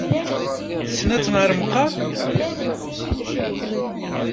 Tessen ad tenheṛ meqqar?